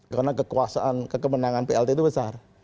karena kekuasaan kekemenangan plt itu besar